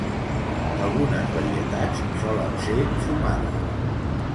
Algunes varietats solen ser fumades.